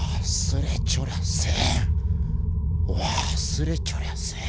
忘れちょらせん。